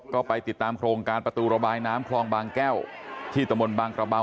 ก็ไปติดตามโครงการประตูระบายน้ำคลองบางแก้วที่ตะมนต์บางกระเบา